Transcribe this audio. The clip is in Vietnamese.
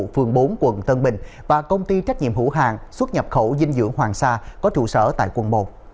phường bốn quận tân bình và công ty trách nhiệm hữu hàng xuất nhập khẩu dinh dưỡng hoàng sa có trụ sở tại quân một